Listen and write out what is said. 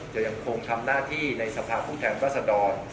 จะยังคงทำหน้าที่ในสภาพุทธแห่งวัฒนศาสดร